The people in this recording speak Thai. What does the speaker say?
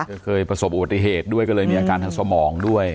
ก็เคยประสบอุบัติเหตุด้วยก็เลยมีอาการทางสมองด้วย